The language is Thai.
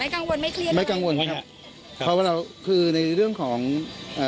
กังวลไม่เครียดไม่กังวลครับเพราะว่าเราคือในเรื่องของเอ่อ